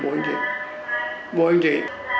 vô hình trị